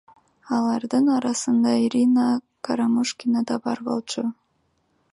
Алардын арасында Ирина Карамушкина да бар болчу.